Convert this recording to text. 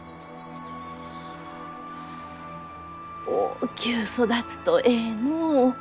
大きゅう育つとえいのう。